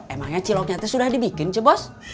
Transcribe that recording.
emangnya ciloknya itu sudah dibikin cuy bos